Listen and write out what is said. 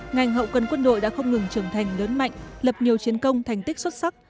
ngành hậu cần quân đội đã không ngừng trưởng thành lớn mạnh lập nhiều chiến công thành tích xuất sắc